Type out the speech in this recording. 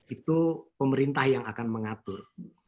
itu pemerintah yang akan mengatur